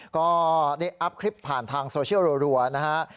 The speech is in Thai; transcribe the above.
ก็ได้อัพคลิปผ่านทางโซเชียลรัวนะฮะ